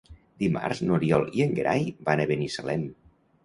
Dimarts n'Oriol i en Gerai van a Binissalem.